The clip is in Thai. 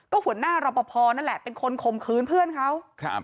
ก็หัวหน้ารอปภนั่นแหละเป็นคนข่มขืนเพื่อนเขา